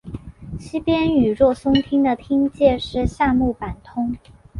西边与若松町的町界是夏目坂通。